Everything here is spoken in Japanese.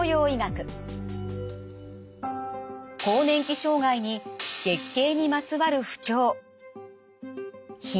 今週は更年期障害に月経にまつわる不調。